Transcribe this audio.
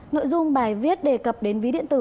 nội dung bài viết đề cập đến ví điện tử